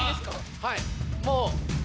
はいもう